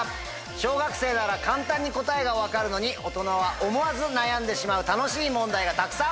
小学生なら簡単に答えが分かるのに大人は思わず悩んでしまう楽しい問題がたくさん。